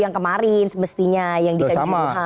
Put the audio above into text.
yang kemarin semestinya yang dikanjuruhan